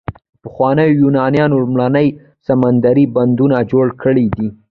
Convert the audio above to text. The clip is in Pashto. پخوانیو یونانیانو لومړني سمندري بندرونه جوړ کړي دي.